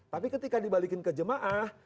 tapi ketika dibalikin ke jemaah